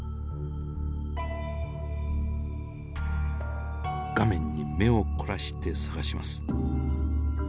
画面に目を凝らして探します。